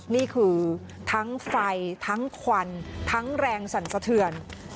นี่คือทั้งไฟทั้งควันทั้งแรงสั่นสะเทือน